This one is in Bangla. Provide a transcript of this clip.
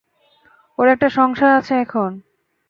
ওর একটা সংসার আছে এখন।